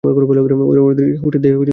ওরা ওদের হোস্টের দেহে লুকিয়ে থাকে।